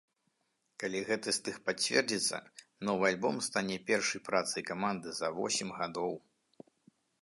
Калі гэты слых пацвердзіцца, новы альбом стане першай працай каманды за восем гадоў.